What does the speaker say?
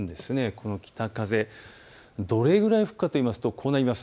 この北風、どれくらい吹くかといいますとこうなります。